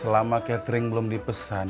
selama catering belum dipesan